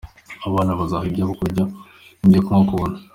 Abana bazahabwa ibyo kurya n’ibyo kunywa ku buntu.